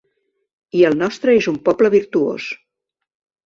I el nostre és un poble virtuós.